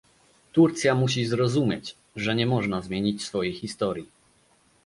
Turcja musi zrozumieć, że nie można zmienić swojej historii